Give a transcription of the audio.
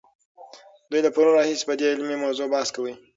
دوی له پرون راهیسې په دې علمي موضوع بحث کاوه.